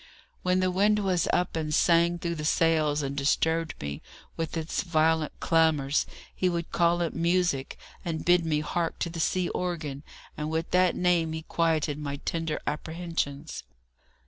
When the wind was up, and sang through the sails, and disturbed me with its violent clamours, he would call it music, and bid me hark to the sea organ, and with that name he quieted my tender apprehensions.